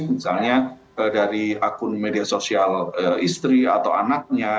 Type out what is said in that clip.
misalnya dari akun media sosial istri atau anaknya